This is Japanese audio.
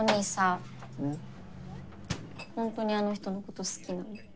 ほんとにあの人のこと好きなの？